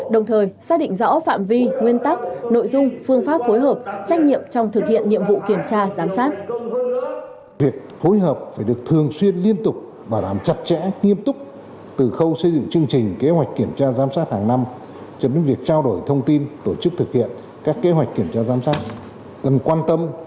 đồng thời xác định rõ phạm vi nguyên tắc nội dung phương pháp phối hợp trách nhiệm trong thực hiện nhiệm vụ kiểm tra giám sát